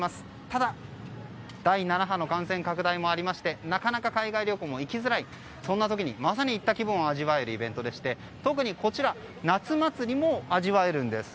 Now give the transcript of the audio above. ただ、第７波の感染拡大もありましてなかなか、海外旅行も行きづらいそんな時にまさに行った気分を味わえるイベントでして特にこちら夏祭りも味わえるんです。